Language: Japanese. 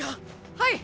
はい！